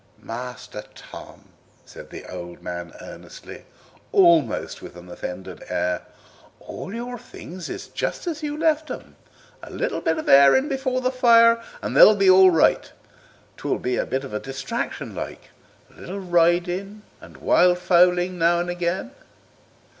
"Master Tom," said the old man earnestly, almost with an offended air, "all your things is just as you left them. A bit of airing before the fire an' they'll be all right. 'Twill be a bit of a distraction like, a little riding and wild fowling now and agen.